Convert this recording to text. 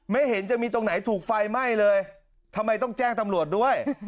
ไม่เห็นจะมีตรงไหนถูกไฟไหม้เลยทำไมต้องแจ้งตำรวจด้วย